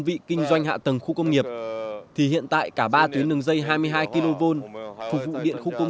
vị kinh doanh hạ tầng khu công nghiệp thì hiện tại cả ba tuyến đường dây hai mươi hai kv phục vụ điện khu công